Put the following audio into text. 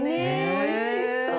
おいしそう。